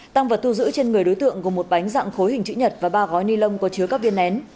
tăng vật thu giữ trên người đối tượng gồm một bánh dạng khối hình chữ nhật và ba gói ni lông có chứa các viên nén